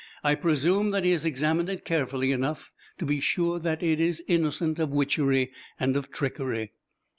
I presume that he has examined it carefully enough to be sure that it is innocent of witchery and of trickery."